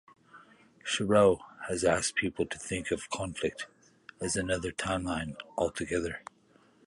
Shirow has asked people to think of "Conflict" as another time line altogether.